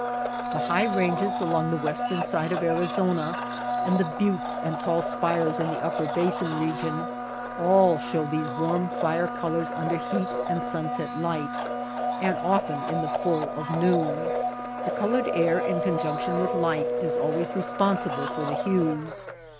The high ranges along the western side of Arizona, and the buttes and tall spires in the Upper Basin region, all show these warm fire colors under heat and sunset light, and often in the full of noon. The colored air in conjunc tion with light is always responsible for the hues.